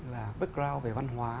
là background về văn hóa